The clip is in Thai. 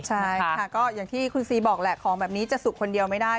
ใช่ค่ะก็อย่างที่คุณซีบอกแหละของแบบนี้จะสุกคนเดียวไม่ได้